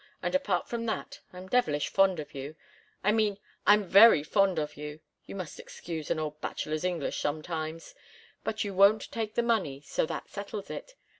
And apart from that, I'm devilish fond of you I mean I'm very fond of you you must excuse an old bachelor's English, sometimes. But you won't take the money, so that settles it.